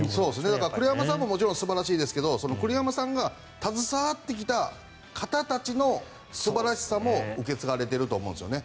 だから栗山さんももちろん素晴らしいですが栗山さんが携わってきた方たちの素晴らしさも受け継がれていると思うんですよね。